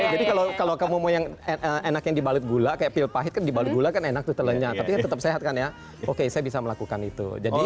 jadi kalau kamu mau yang enak yang dibalut gula kayak pil pahit kan dibalut gula kan enak tuh telanya tapi tetap sehat kan ya oke saya bisa melakukan itu